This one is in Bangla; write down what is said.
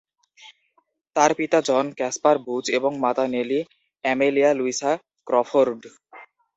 তার পিতা জন ক্যাসপার বুচ এবং মাতা নেলি অ্যামেলিয়া লুইসা ক্রফোর্ড।